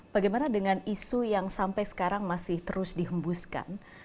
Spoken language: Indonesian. bagaimana dengan isu yang sampai sekarang masih terus dihembuskan